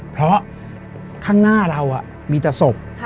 เพราะข้างหน้าเรามีแต่ศพ